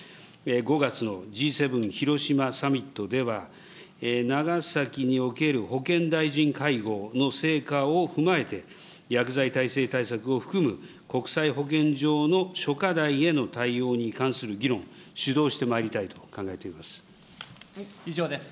５月のＧ７広島サミットでは、長崎における保健大臣会合の成果を踏まえて、薬剤耐性対策を含む国際保健上の諸課題への対応に関する議論、主以上です。